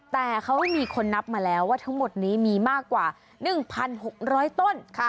แต่เขามีคนนับมาแล้วว่าทั้งหมดนี้มีมากกว่า๑๖๐๐ต้น